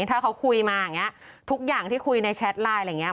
ถ้าเขาคุยมาอย่างนี้ทุกอย่างที่คุยในแชทไลน์อะไรอย่างนี้